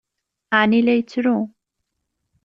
Ɛni la yettru?